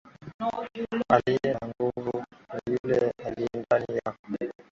Aliye na nguvu ni yule aliyendani yako.